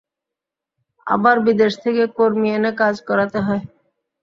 আবার বিদেশ থেকে কর্মী এনে কাজ করাতে হয়।